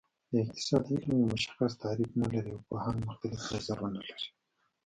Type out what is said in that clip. د اقتصاد علم یو مشخص تعریف نلري او پوهان مختلف نظرونه لري